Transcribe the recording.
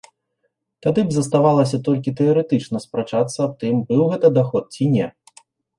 Тады б заставалася толькі тэарэтычна спрачацца аб тым, быў гэта даход ці не.